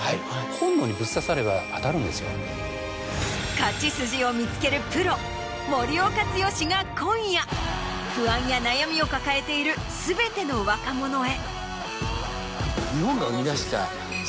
勝ち筋を見つけるプロ森岡毅が今夜不安や悩みを抱えている全ての若者へ。